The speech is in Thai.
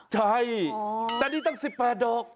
ใช่แต่นี่ตั้ง๑๘ดอก